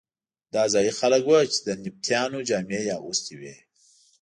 دا ځايي خلک وو چې د نبطیانو جامې یې اغوستې وې.